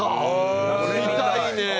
見たいね。